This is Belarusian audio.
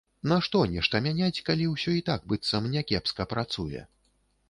Нашто нешта мяняць, калі ўсё і так, быццам, някепска працуе?